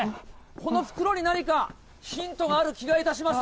この袋に何かヒントがある気がいたします。